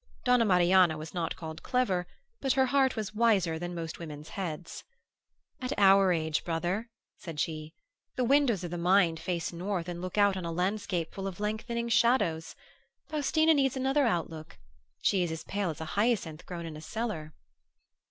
Donna Marianna was not called clever, but her heart was wiser than most women's heads. "At our age, brother," said she, "the windows of the mind face north and look out on a landscape full of lengthening shadows. Faustina needs another outlook. She is as pale as a hyacinth grown in a cellar."